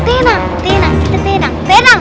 tenang tenang kita tenang